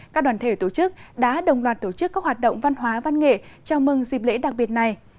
các đoàn thể tổ chức đã đồng loạt tổ chức các hoạt động văn hóa văn nghệ chào mừng dịp lễ đặc biệt này